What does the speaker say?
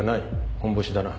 ホンボシだな。